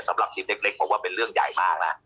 สำหรับคลิปเล็กผมว่าเป็นเรื่องใหญ่มากนะ